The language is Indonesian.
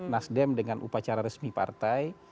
nasdem dengan upacara resmi partai